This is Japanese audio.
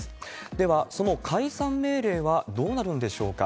では、その解散命令はどうなるんでしょうか。